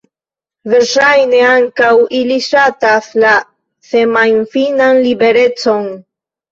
Verŝajne, ankaŭ ili ŝatas la semajnfinan liberecon.